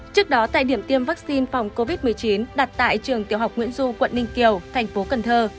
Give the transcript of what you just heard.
trước đó tại điểm tiêm vaccine phòng covid một mươi chín đặt tại trường tiểu học nguyễn du quận ninh kiều thành phố cần thơ